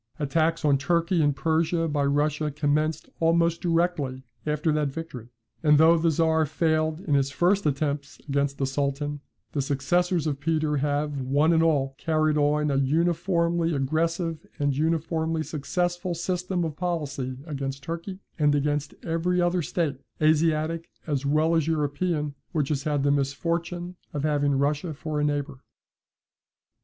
Attacks on Turkey and Persia by Russia commenced almost directly after that victory. And though the Czar failed in his first attempts against the Sultan, the successors of Peter have, one and all, carried on an uniformly aggressive and uniformly successful system of policy against Turkey, and against every other state, Asiatic as well as European, which has had the misfortune of having Russia for a neighbour.